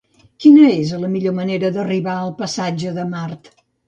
Quina és la millor manera d'arribar al passatge de Mart?